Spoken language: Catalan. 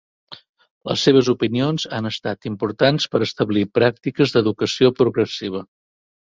Les seves opinions han estat importants per establir pràctiques d'educació progressiva.